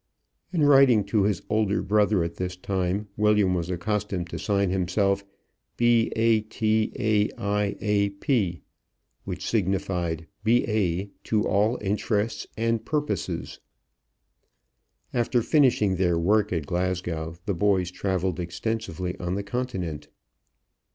In writing to his older brother at this time, William was accustomed to sign himself "B.A.T.A.I.A.P.," which signified "B.A. to all intents and purposes." After finishing their work at Glasgow the boys traveled extensively on the Continent.